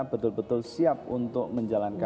betul betul siap untuk menjalankan